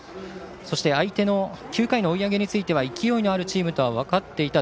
そして、相手の９回の追い上げについては勢いのあるチームと分かっていた。